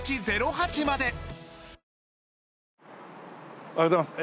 おはようございます。